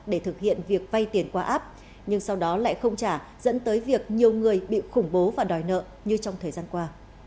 để thực hiện việc vay tiền qua app nhưng sau đó lại không trả dẫn tới việc nhiều người bị khủng bố và đòi nợ như trong thời gian qua